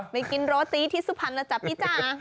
ไปกินโรติที่สุพรรณแล้วจ๊ะพี่จ้ะ